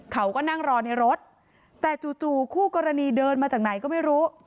เขาก็นั่งรอในรถแต่จู่คู่กรณีเดินมาจากไหนก็ไม่รู้